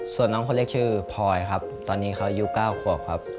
ส่วนน้องคนเล็กชื่อพลอยครับตอนนี้เขาอายุ๙ขวบครับ